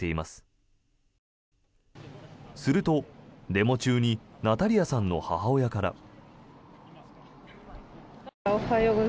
すると、デモ中にナタリアさんの母親から。